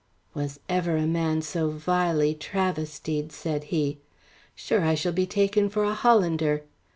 "Was ever a man so vilely travestied?" he said. "Sure, I shall be taken for a Hollander.